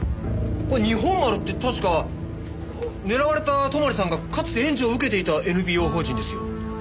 日本丸って確か狙われた泊さんがかつて援助を受けていたＮＰＯ法人ですよ。